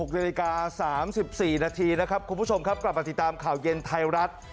๑๖เดือนดิกา๓๔นาทีคุณผู้ชมกลับมาติดตามข่าวเย็นไทยรัด